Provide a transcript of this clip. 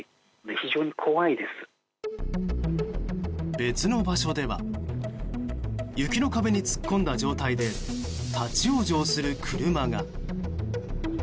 別の場所では雪の壁に突っ込んだ状態で立ち往生する車が。